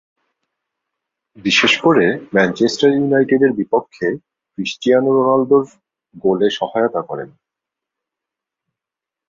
বিশেষ করে ম্যানচেস্টার ইউনাইটেডের বিপক্ষে ক্রিস্তিয়ানো রোনালদোর গোলে সহায়তা করেন।